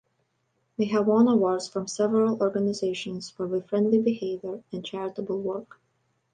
They have won awards from several organisations for their friendly behaviour and charitable work.